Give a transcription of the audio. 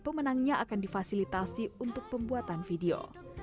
pemenangnya akan difasilitasi untuk pembuatan video